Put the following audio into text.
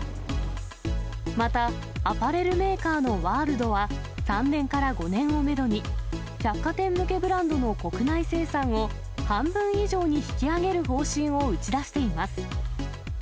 また、アパレルメーカーのワールドは、３年から５年をメドに、百貨店向けのブランドの国内生産を、半分以上に引き上げる方針を打ち出しています。